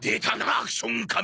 アクション仮面！